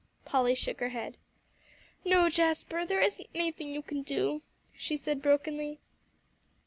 Polly shook her head. "No, Jasper, there isn't anything you can do," she said brokenly.